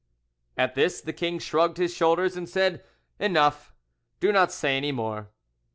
"At this the king shrugged his shoulders and said, 'Enough, do not say any more.